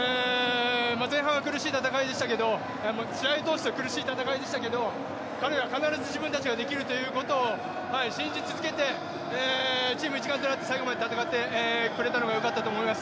前半は苦しい戦いでしたけど試合を通して苦しい戦いでしたけど彼ら、必ず自分たちができるということを信じ続けてチーム一丸となって最後まで戦ってくれたのがよかったと思います。